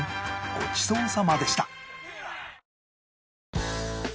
ごちそうさまでした